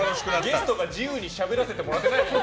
ゲストが自由にしゃべらせてもらってない。